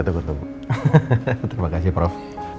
terima kasih prof